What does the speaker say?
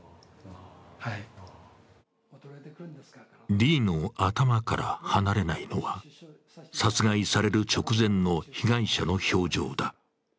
Ｄの頭から離れないのは殺害される直前の被害者の表情だ。